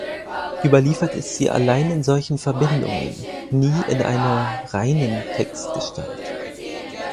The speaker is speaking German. Überliefert ist sie allein in solchen Verbindungen, nie in einer „reinen Textgestalt“.